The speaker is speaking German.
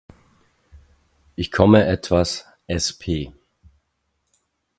Ich komme etwas sp